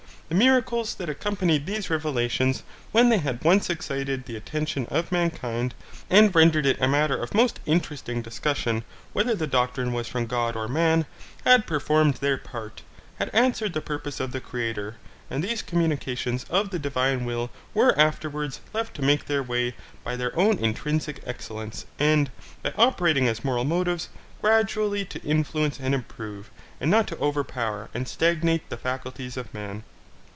The miracles that accompanied these revelations when they had once excited the attention of mankind, and rendered it a matter of most interesting discussion, whether the doctrine was from God or man, had performed their part, had answered the purpose of the Creator, and these communications of the divine will were afterwards left to make their way by their own intrinsic excellence; and, by operating as moral motives, gradually to influence and improve, and not to overpower and stagnate the faculties of man.